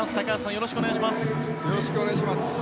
よろしくお願いします。